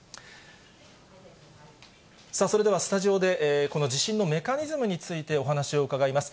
それではスタジオで、この地震のメカニズムについてお話を伺います。